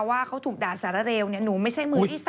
ว่าเขาถูกด่าสารเร็วหนูไม่ใช่มือที่๓